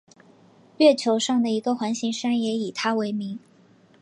月球上的一个环形山也以他为名。